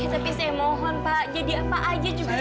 tapi saya mohon pak jadi apa aja juga